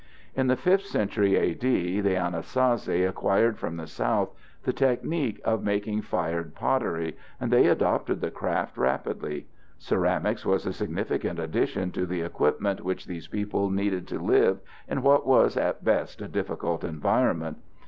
In the 5th century A.D., the Anasazi acquired from the south the technique of making fired pottery, and they adopted the craft rapidly. Ceramics was a significant addition to the equipment which these people needed to live in what was at best a difficult environment.